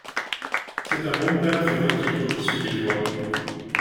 C'est un bon peintre quand il copie ce qu'il voit.